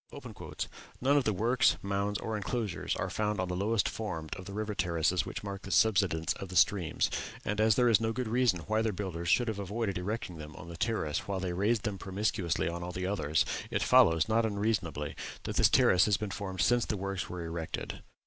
"None of the works, mounds, or enclosures are found on the lowest formed of the river terraces which mark the subsidence of the streams, and as there is no good reason why their builders should have avoided erecting them on that terrace while they raised them promiscuously on all the others, it follows, not unreasonably, that this terrace has been formed since the works were erected."